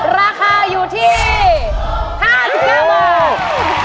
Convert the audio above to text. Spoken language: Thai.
ราคาอยู่ที่ห้าสิบเก้าหมด